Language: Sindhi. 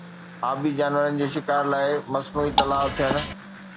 آبي جانورن جي شڪار لاءِ مصنوعي تلاءُ ٿيڻ